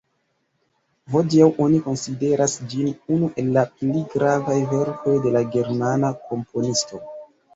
Hodiaŭ oni konsideras ĝin unu el la pli gravaj verkoj de la germana komponisto.